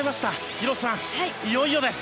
広瀬さん、いよいよです。